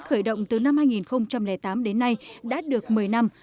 khởi động từ năm hai nghìn tám đến nay đã được một mươi năm